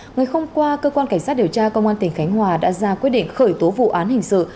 ngày hôm qua cơ quan cảnh sát điều tra công an tỉnh khánh hòa đã ra quyết định khởi tố vụ án hình sự